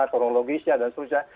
kronologisnya dan seterusnya